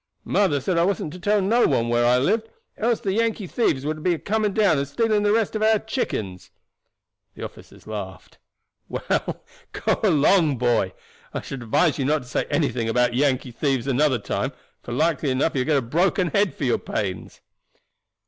"Mother said I wasn't to tell no one where I lived, else the Yankee thieves would be a coming down and stealing the rest of our chickens." The officers laughed. "Well, go along, boy; and I should advise you not to say anything about Yankee thieves another time, for likely enough you will get a broken head for your pains."